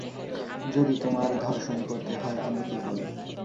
যদি তোমার ধর্ষণ করতে হয়, আমাকে করো।